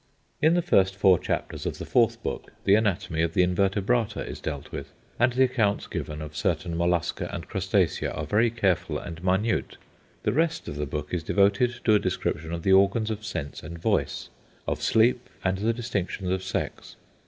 In the first four chapters of the fourth book the anatomy of the invertebrata is dealt with, and the accounts given of certain mollusca and crustacea are very careful and minute. The rest of the book is devoted to a description of the organs of sense and voice; of sleep, and the distinctions of sex.